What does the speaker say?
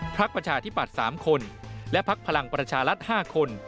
ประชาธิปัตย์๓คนและพักพลังประชารัฐ๕คน